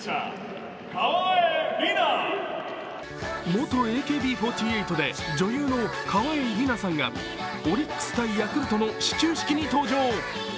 元ＡＫＢ４８で女優の川栄李奈さんがオリックス対ヤクルトの始球式に登場。